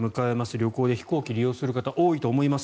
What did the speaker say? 旅行で飛行機を利用する方多いと思います。